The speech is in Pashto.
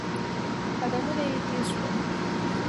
قدمونه يې تېز شول.